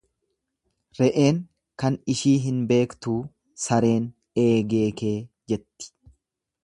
Re'een kan ishii hin beektuu sareen eegee kee jetti.